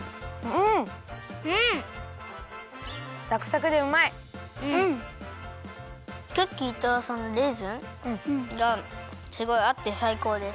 クッキーとそのレーズン？がすごいあってさいこうです。